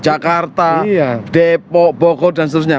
jakarta depok bogor dan seterusnya